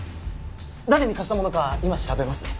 誰に貸したものか今調べますね。